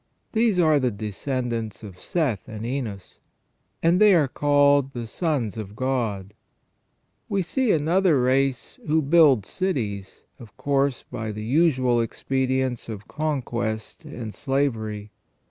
These are the descendants of Seth and Enos, and they are called " the sons of God ". We see another race who build cities, of course by the usual expedients of conquest and slavery.